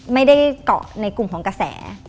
ไม่ได้เกาะในกลุ่มของกระแส